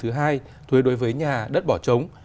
thứ hai thuế đối với nhà đất bỏ trống